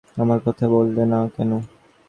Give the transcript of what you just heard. আমার কথা বললে না কেনো?